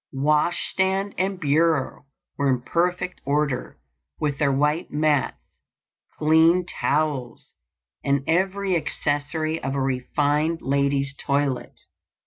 Wash stand and bureau were in perfect order, with their white mats, clean towels, and every accessory of a refined lady's toilet.